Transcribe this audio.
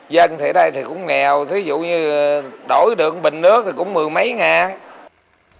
dân thì ở đây thì cũng nghèo thí dụ như đổi được bình nước thì cũng mười mấy ngàn